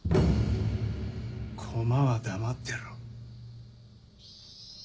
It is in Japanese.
コマは黙ってろ。